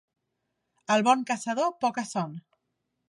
El bon caçador, poca son.